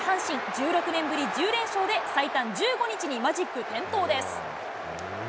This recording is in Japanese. １６年ぶり１０連勝で、最短１５日にマジック点灯です。